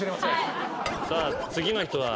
さあ次の人は。